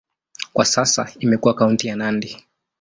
Kwa sasa imekuwa kaunti ya Nandi.